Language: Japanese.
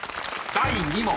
［第２問］